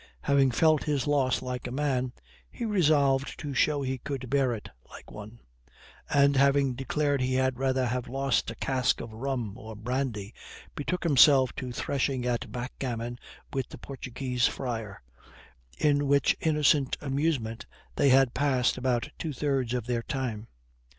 Having felt his loss like a man, he resolved to show he could bear it like one; and, having declared he had rather have lost a cask of rum or brandy, betook himself to threshing at backgammon with the Portuguese friar, in which innocent amusement they had passed about two thirds of their time.